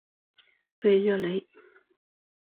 弗热雷。